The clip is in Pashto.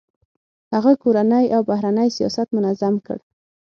هغه کورنی او بهرنی سیاست منظم کړ.